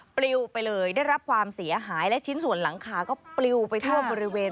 ปลิวไปเลยได้รับความเสียหายและชิ้นส่วนหลังคาก็ปลิวไปทั่วบริเวณ